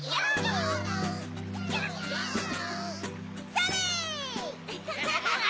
それ！